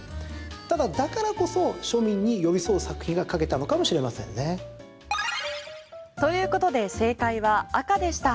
ただ、だからこそ庶民に寄り添う作品が書けたのかもしれませんね。ということで正解は赤でした。